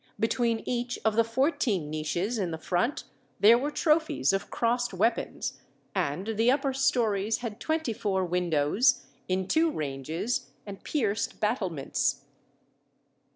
Between each of the fourteen niches in the front there were trophies of crossed weapons, and the upper stories had twenty four windows, in two ranges, and pierced battlements.